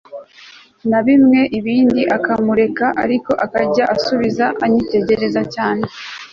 nabimwe ibindi akamureka ariko akajya asubiza anyitegereza cyane